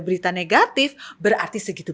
berita negatif berarti segitu